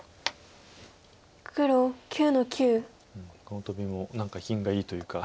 このトビも何か品がいいというか。